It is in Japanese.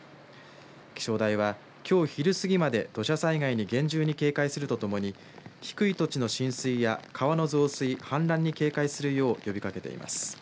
気象台は、きょう昼過ぎまでに土砂災害に厳重に警戒するとともに低い土地の浸水や川の増水、氾濫に警戒するよう呼びかけています。